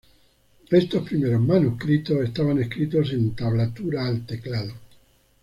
Estos primeros manuscritos estaban escritos en tablatura al teclado.